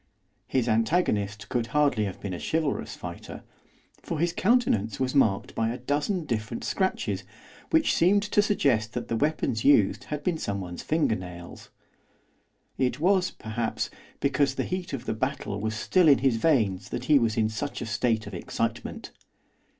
His antagonist could hardly have been a chivalrous fighter, for his countenance was marked by a dozen different scratches which seemed to suggest that the weapons used had been someone's finger nails. It was, perhaps, because the heat of the battle was still in his veins that he was in such a state of excitement.